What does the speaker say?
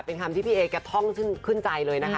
เป็นคำที่พี่เอแกท่องขึ้นใจเลยนะคะ